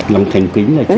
nằm thành kính là chính